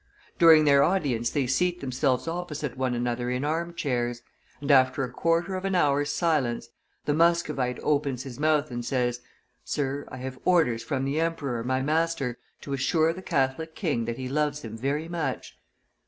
During their audience they seat themselves opposite one another in arm chairs, and, after a quarter of an hour's silence, the Muscovite opens his mouth and says, 'Sir, I have orders from the emperor, my master, to assure the Catholic King that he loves him very much.